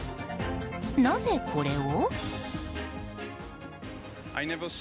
なぜこれを？